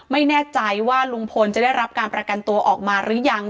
ไม่แน่ใจว่าลุงพลจะได้รับการประกันตัวออกมาหรือยัง